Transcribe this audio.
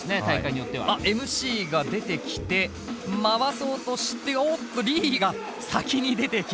あっＭＣが出てきて回そうとしておっとＬｅｅが先に出てきました。